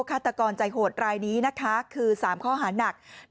ฆาตกรใจโหดรายนี้นะคะคือ๓ข้อหานัก